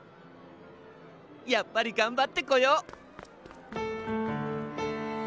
やっぱりがんばってこよう！